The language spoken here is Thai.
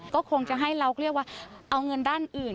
ก็คงจะให้เราก็เรียกว่าเอาเงินด้านอื่น